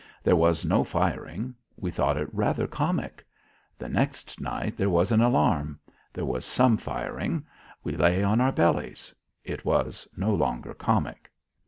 There was no firing. We thought it rather comic. The next night there was an alarm; there was some firing; we lay on our bellies; it was no longer comic.